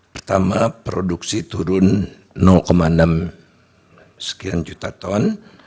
pertama produksi turun enam sekian juta ton